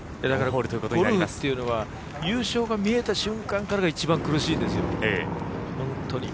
ゴルフっていうのは優勝が見えた瞬間からが一番苦しいんですよ、本当に。